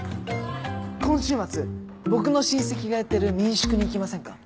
今週末僕の親戚がやってる民宿に行きませんか？